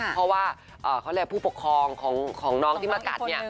เพราะว่าเขาเรียกผู้ปกครองของน้องที่มากัดเนี่ย